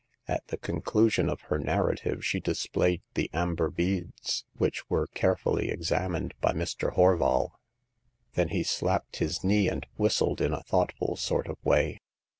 At the conclusion of her narrative she displayed the amber beads, which were carefully examined by Mr. Horval. Then he slapped his knee, and whistled in a thoughtful sort of way.